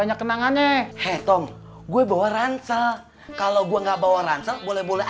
malah gue gugurin juga loh